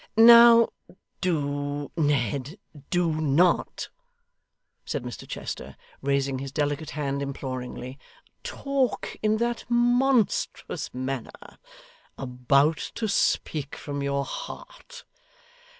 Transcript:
'Now DO, Ned, DO not,' said Mr Chester, raising his delicate hand imploringly, 'talk in that monstrous manner. About to speak from your heart.